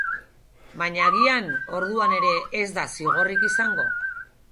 Baina agian orduan ere ez da zigorrik izango.